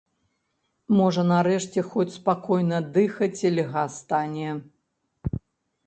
Можа нарэшце хоць спакойна дыхаць льга стане!